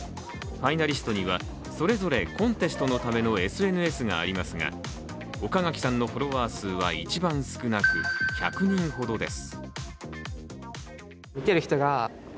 ファイナリストにはそれぞれコンテストのためのＳＮＳがありますが岡垣さんのフォロワー数は一番少なく１００人ほどです。